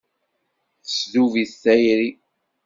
Tesdub-it tayri.